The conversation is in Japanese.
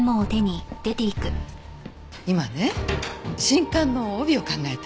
今ね新刊の帯を考えてるの。